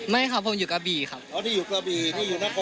ไม่ครับผมอยู่กระบี่ครับเพราะที่อยู่กระบี่ที่อยู่นคร